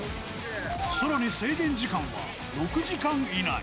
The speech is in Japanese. さらに制限時間は６時間以内。